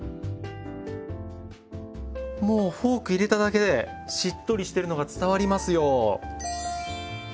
もうフォーク入れただけでしっとりしているのが伝わりますよ。